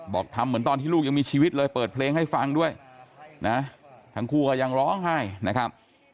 ทำเหมือนตอนที่ลูกยังมีชีวิตเลยเปิดเพลงให้ฟังด้วยนะทั้งคู่ก็ยังร้องไห้นะครับ